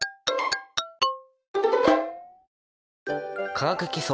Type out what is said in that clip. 「化学基礎」